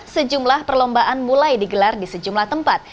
sejumlah perlombaan mulai digelar di sejumlah tempat